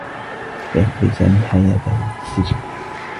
سيقضي سامي حياته في السّجن.